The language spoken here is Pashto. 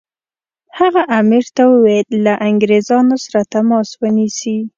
هغه امیر ته وویل له انګریزانو سره تماس ونیسي.